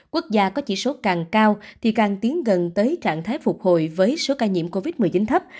quốc gia có chỉ số càng cao thì càng tiến gần tới trạng thái phục hồi với số ca nhiễm covid một mươi chín thấp